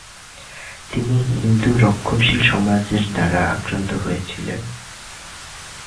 তিনি হিন্দু রক্ষণশীল সমাজের দ্বারা আক্রান্ত হয়েছিলেন।